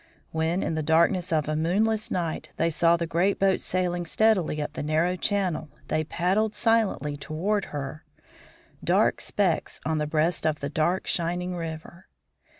When, in the darkness of a moonless night, they saw the great boat sailing steadily up the narrow channel they paddled silently toward her, dark specks on the breast of the dark, shining river.